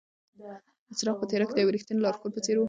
څراغ په تیاره کې د یوې رښتینې لارښود په څېر و.